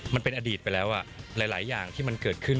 มันเป็นอดีตไปแล้วหลายอย่างที่มันเกิดขึ้น